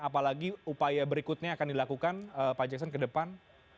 apalagi upaya berikutnya akan dilakukan pak jackson ke depan